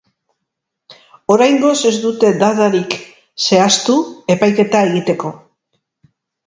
Oraingoz ez dute datarik zehaztu epaiketa egiteko.